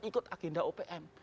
ikut agenda opm